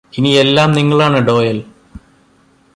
ഇനി എല്ലാം നിങ്ങളാണ് ഡോയൽ